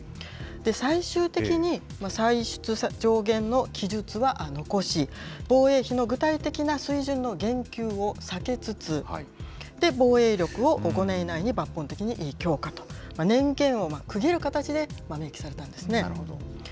最終的に、歳出上限の記述は残し、防衛費の具体的な水準の言及を避けつつ、防衛力を５年以内に抜本的に強化と、年限を区切る形で明記されたんですね。